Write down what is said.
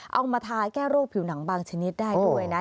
เอามาทาแก้โรคผิวหนังบางชนิดได้ด้วยนะ